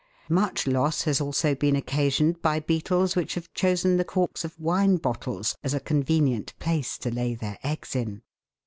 Much loss has also been occasioned by beetles which have chosen the corks of wine bottles as a convenient place to lay their eggs in.